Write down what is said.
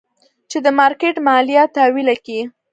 چې د مارکېټ ماليه تاويله کي.